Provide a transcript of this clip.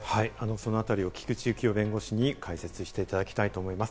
そのあたりを菊地幸夫弁護士に解説していただきたいと思います。